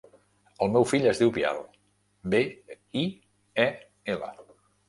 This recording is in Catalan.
El meu fill es diu Biel: be, i, e, ela.